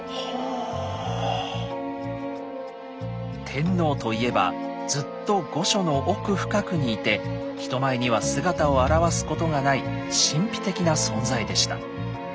天皇といえばずっと御所の奥深くにいて人前には姿を現すことがない神秘的な存在でした。